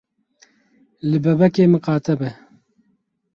Li bebekê miqate be.